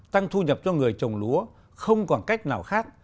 tăng thu nhập cho người trồng lúa không còn cách nào khác